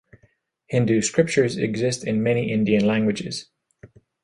Hindu scriptures exist in many Indian languages.